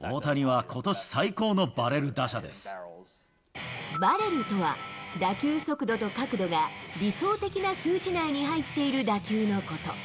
大谷はことし最高のバレル打者でバレルとは、打球速度と角度が、理想的な数値内に入っている打球のこと。